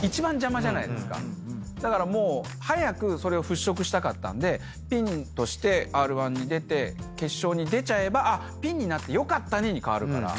だからもう早くそれを払拭したかったんでピンとしてＲ−１に出て決勝に出ちゃえば「ピンになってよかったね」に変わるから。